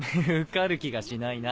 受かる気がしないな。